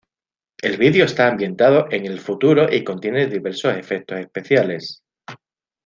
El video está ambientado en el futuro y contiene diversos efectos especiales.